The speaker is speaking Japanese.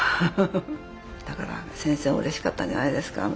だから先生もうれしかったんじゃないですか。